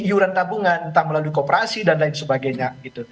iuran tabungan entah melalui kooperasi dan lain sebagainya